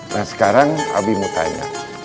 nah sekarang abimu tanya